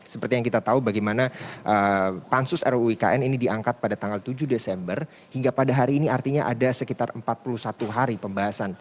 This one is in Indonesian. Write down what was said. seperti yang kita tahu bagaimana pansus ruu ikn ini diangkat pada tanggal tujuh desember hingga pada hari ini artinya ada sekitar empat puluh satu hari pembahasan